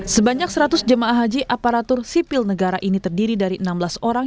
sebanyak seratus jemaah haji aparatur sipil negara ini terdiri dari enam belas orang